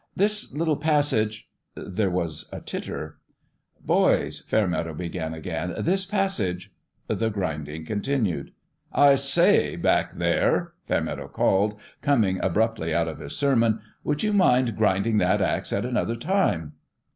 " This little passage " There was a titter. 148 FIST PLAY " Boys," Fairmeadow began again, " this pas sage " The grinding continued. " I say, back there !" Fairmeadow called, com ing abruptly out of his sermon, " would you mind grinding that axe at another time